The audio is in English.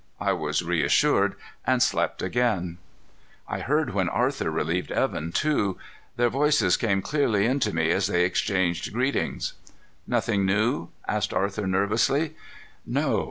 I was reassured and slept again. I heard when Arthur relieved Evan, too. Their voices came clearly in to me as they exchanged greetings. "Nothing new?" asked Arthur nervously. "No.